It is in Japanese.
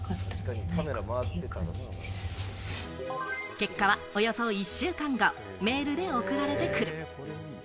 結果はおよそ１週間後、メールで送られてくる。